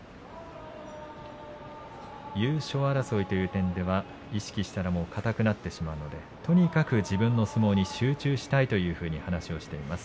優勝争いという点では意識しては硬くなってしまうのでとにかく自分の相撲に集中したいというふうに話しています